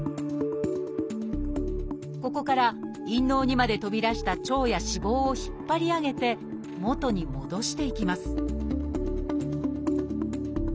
ここから陰嚢にまで飛び出した腸や脂肪を引っ張り上げて元に戻していきます